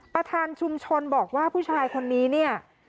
ประธานชุมชนบอกว่าผู้ชายคนนี้เนี่ย